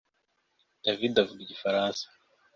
David avuga igifaransa